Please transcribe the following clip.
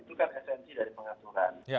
itu kan esensi dari pengaturan